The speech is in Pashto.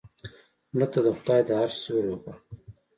مړه ته د خدای د عرش سیوری غواړو